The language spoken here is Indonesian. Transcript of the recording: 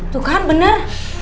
tuh kan bener